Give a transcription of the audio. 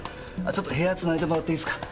ちょっと部屋つないでもらっていいっすか？